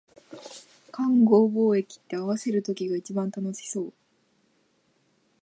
勘合貿易って、合わせる時が一番楽しそう